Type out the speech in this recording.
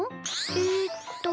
えっと。